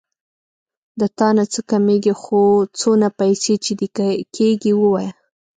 د تانه څه کمېږي څونه پيسې چې دې کېږي ووايه.